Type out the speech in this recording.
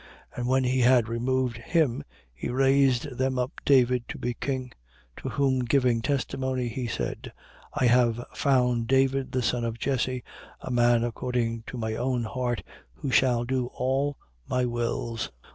13:22. And when he had removed him, he raised them up David to be king: to whom giving testimony, he said: I have found David, the son of Jesse, a man according to my own heart, who shall do all my wills.